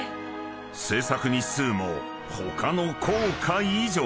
［製作日数も他の硬貨以上］